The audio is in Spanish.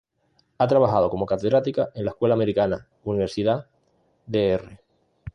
Ha trabajado como catedrática en la Escuela Americana, Universidad "Dr.